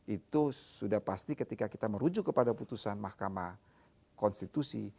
itu sudah pasti ketika kita merujuk kepada putusan mahkamah konstitusi